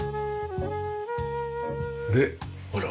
でほら。